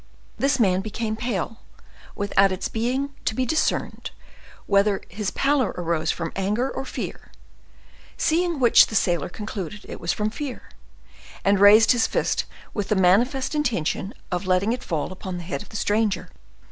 This man became pale, without its being to be discerned whether his pallor arose from anger or fear; seeing which, the sailor concluded it was from fear, and raised his fist with the manifest intention of letting it fall upon the head of the stranger.